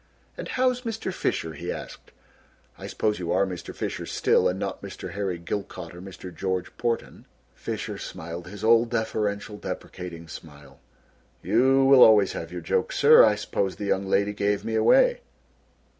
"And how's Mr. Fisher!" he asked; "I suppose you are Mr. Fisher still and not Mr. Harry Gilcott, or Mr. George Porten." Fisher smiled his old, deferential, deprecating smile. "You will always have your joke, sir. I suppose the young lady gave me away."